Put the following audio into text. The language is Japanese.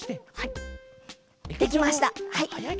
できましたはい。